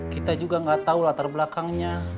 kita juga nggak tahu latar belakangnya